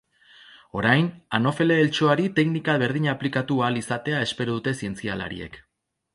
Orain anofele eltxoari teknika berdina aplikatu ahal izatea espero dute zientzialariek.